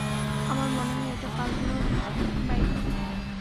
আমার মনে হয় এটা পালানোর বাইক।